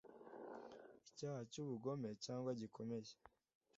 icyaha cy ubugome cyangwa gikomeye